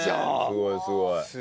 すごいすごい。